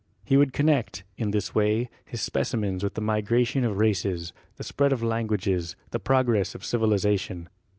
He would connect, in this way, his specimens with the migration of races, the spread of languages, the progress of civilization.